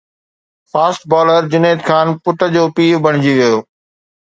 fast bowler Junaid Khan پٽ جو پيءُ بڻجي ويو